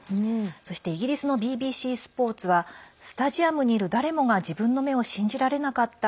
そして、イギリスのＢＢＣＳｐｏｒｔはスタジアムにいる誰もが自分の目を信じられなかった。